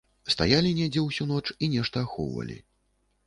Стаялі недзе ўсю ноч і нешта ахоўвалі.